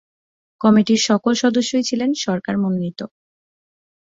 কমিটির সকল সদস্যই ছিলেন সরকার মনোনীত।